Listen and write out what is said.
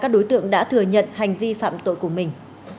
các đối tượng đã thừa nhận hành vi phạm tội của mình